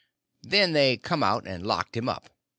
Then they come out and locked him up.